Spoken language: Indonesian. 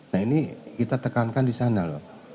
nah ini kita tekankan di sana loh